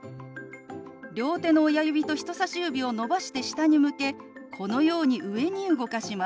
両手の親指と人さし指を伸ばして下に向けこのように上に動かします。